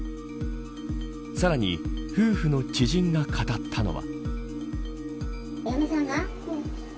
さらに夫婦の知人が語ったのは。